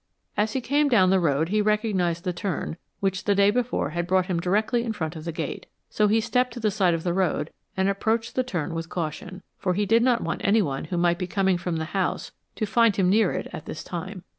As he came down the road he recognized the turn, which the day before had brought him directly in front of the gate, so he stepped to the side of the road, and approached the turn with caution, for he did not want anyone who might be coming from the house to find him near it at this time.